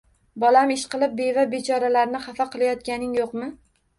Bolam ishqilib beva-bechoralarni xafa qilayotganing yo‘qmi?